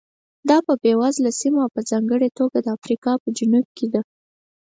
دا په بېوزله سیمو په ځانګړې توګه د افریقا په جنوب کې ده.